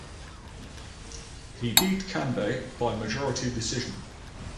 He beat Kanbe by majority decision.